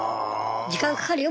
時間かかるよ